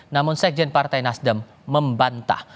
namun sekjen partai nasdem membantah